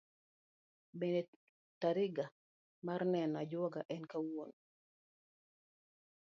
Bende ne tariga mar neno ajuoga en kawuono?